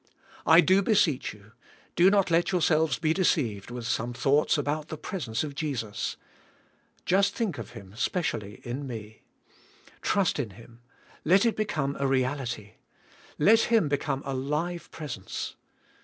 I do beseech you, do not let yourselves be deceived with some thoughts about the presence of Jesus. Just think of Him specially in me. Trust in Him. Let it become a reality. Let Him become a live presence.